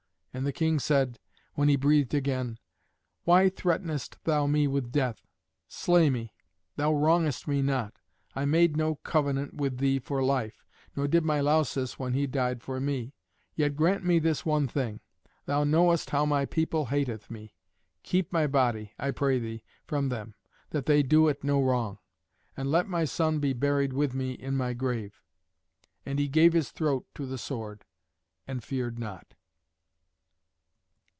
And the king said, when he breathed again, "Why threatenest thou me with death? Slay me; thou wrongest me not. I made no covenant with thee for life, nor did my Lausus when he died for me. Yet grant me this one thing. Thou knowest how my people hateth me. Keep my body, I pray thee, from them, that they do it no wrong. And let my son be buried with me in my grave." And he gave his throat to the sword, and feared not.